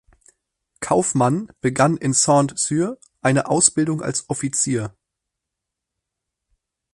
Kauffmann begann in Saint Cyr eine Ausbildung als Offizier.